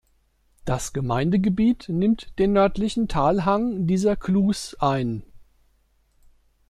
Das Gemeindegebiet nimmt den nördlichen Talhang dieser Klus ein.